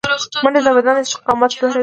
منډه د بدن استقامت لوړوي